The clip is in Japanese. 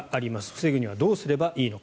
防ぐにはどうすればいいのか。